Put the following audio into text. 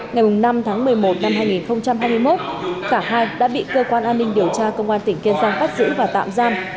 ngày năm tháng một mươi một năm hai nghìn hai mươi một cả hai đã bị cơ quan an ninh điều tra công an tỉnh kiên giang bắt giữ và tạm giam